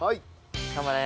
頑張れ。